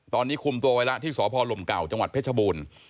ตอนนี้คุมตัวไว้แล้วที่สพลมเก่าจังหวัดเพชรบูรณ์